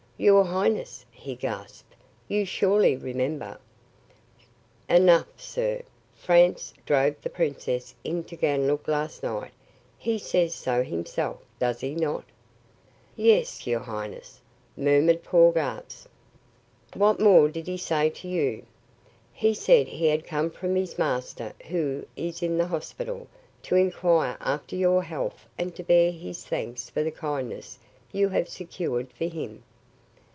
"Your highness," he gasped, "you surely remember " "Enough, sir. Franz drove the princess into Ganlook last night. He says so himself, does he not?" "Yes, your highness," murmured poor Gartz. "What more did he say to you?" "He said he had come from his master, who is in the hospital, to inquire after your health and to bear his thanks for the kindnesses you have secured for him.